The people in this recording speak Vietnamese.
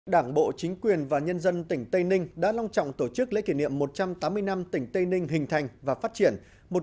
đảng bộ chính quyền và nhân dân tỉnh tây ninh đã long trọng tổ chức lễ kỷ niệm một trăm tám mươi năm tỉnh tây ninh hình thành và phát triển